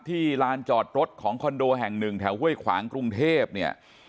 ลานจอดรถของคอนโดแห่งหนึ่งแถวห้วยขวางกรุงเทพเนี่ย